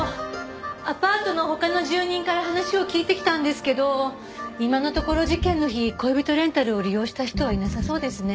アパートの他の住人から話を聞いてきたんですけど今のところ事件の日恋人レンタルを利用した人はいなさそうですね。